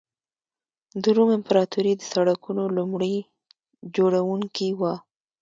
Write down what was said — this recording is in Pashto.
د روم امپراتوري د سړکونو لومړي جوړوونکې وه.